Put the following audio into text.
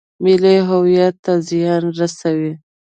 ملي هویت ته زیان رسوي.